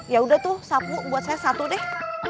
ya udah tuh sapu buat saya satu deh